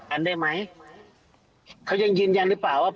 ทนายเกิดผลครับ